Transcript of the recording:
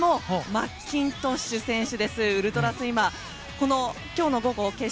マッキントッシュ選手。